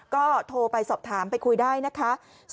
ก็โทรไปสอบถามไปคุยได้นะคะ๐๖๕๙๑๙๐๑๑๑